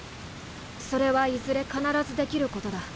それはいずれ必ずできることだ。